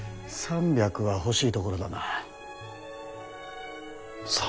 ３００は欲しいところだな。